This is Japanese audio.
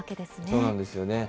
そうなんですよね。